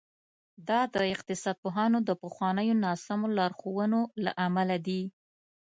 دا د اقتصاد پوهانو د پخوانیو ناسمو لارښوونو له امله دي.